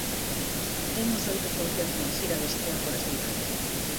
Temos oito funcións na xira da estrea polas cidades.